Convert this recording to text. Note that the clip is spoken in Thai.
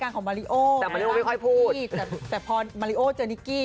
ถ้าโอ้เงียบปูน้อน